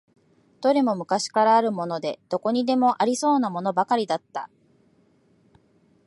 どれも昔からあるもので、どこにでもありそうなものばかりだった。